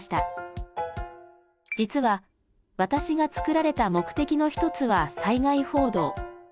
実は私が作られた目的の一つは災害報道。